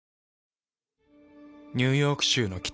ニューヨーク州の北。